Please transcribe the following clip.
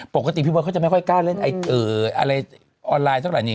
ปกติพี่เบิร์เขาจะไม่ค่อยกล้าเล่นอะไรออนไลน์เท่าไหร่